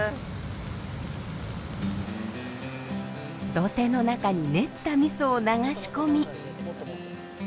土手の中に練ったみそを流し込み。